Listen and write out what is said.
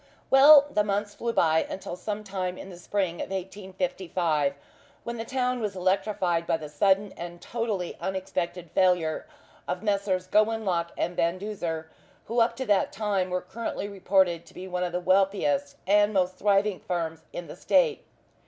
Well, the months flew by until some time in the spring of 1855, when the town was electrified by the sudden and totally unexpected failure of Messrs. Gowanlock and Van Duzer, who up to that time were currently reported to be one of the wealthiest and most thriving firms in the State.